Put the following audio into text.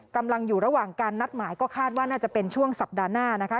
กำลังอยู่ระหว่างการนัดหมายก็คาดว่าน่าจะเป็นช่วงสัปดาห์หน้านะคะ